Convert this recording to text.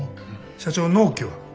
社長納期は？